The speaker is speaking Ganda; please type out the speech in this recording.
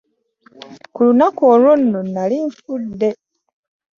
Ku lunaku olwo nno nnali nfudde.